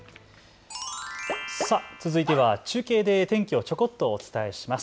続いては中継で天気をちょこっとお伝えします。